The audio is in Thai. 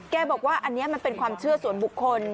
บอกว่าอันนี้มันเป็นความเชื่อส่วนบุคคล